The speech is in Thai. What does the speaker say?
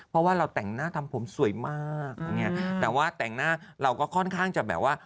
เพราะว่าเราแต่งหน้าทำผมสวยมากอย่างเงี้ยแต่ว่าแต่งหน้าเราก็ค่อนข้างจะแบบว่า